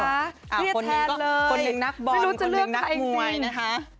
เรียกแทนเลยไม่รู้จะเลือกใครจริงนะฮะคนหนึ่งนักบอลคนหนึ่งนักมวยนะฮะ